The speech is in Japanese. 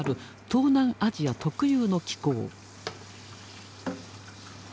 東南アジア特有の気候。